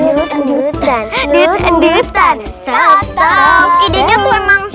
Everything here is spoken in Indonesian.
idenya tuh emang selalu celing celing gitu